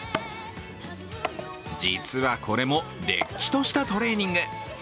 実は、これもれっきとしたトレーニング。